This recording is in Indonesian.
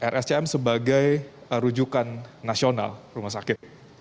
rscm sebagai rujukan nasional rumah sakit